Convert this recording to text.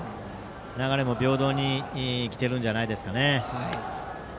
流れも平等に来ているんじゃないですかね。